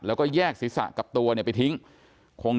แล้วก็แยกศรีษะกับตัวไปทิ้ง